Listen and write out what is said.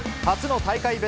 初の大会